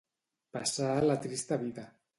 Passar la trista vida.